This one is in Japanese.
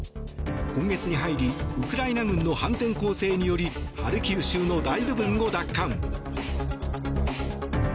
今月に入りウクライナ軍の反転攻勢によりハルキウ州の大部分を奪還。